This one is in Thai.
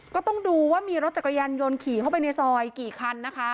ก็ต้องดูว่ามีรถจักรยานยนต์ขี่เข้าไปในซอยกี่คันนะคะ